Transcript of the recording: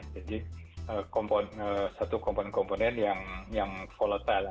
jadi satu komponen komponen yang volatile